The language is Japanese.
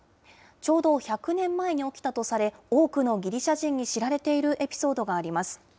ちょうど１００年前に起きたとされ、多くのギリシャ人に知られているエピソードがあります。